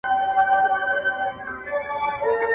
اوس نسيم راوړي خبر د تورو ورځو.